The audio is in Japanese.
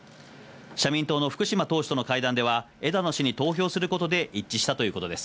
社民党の福島党首との会談では枝野氏に投票することで一致したということです。